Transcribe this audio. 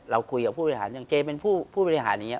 เราคุยกับผู้บริหารอย่างเจเป็นผู้บริหารอย่างนี้